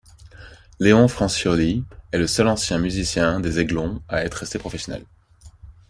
Léon Francioli est le seul ancien musicien des Aiglons à être resté professionnel.